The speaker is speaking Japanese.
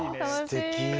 すてき。